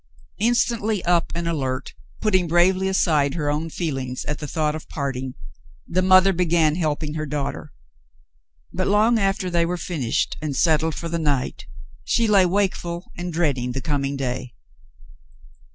Instantly up and alert, putting bravely aside her own feelings at the thought of parting, the mother began helping her daughter; but long after they were finished and settled for the night, she lay wakeful and dreading the coming day.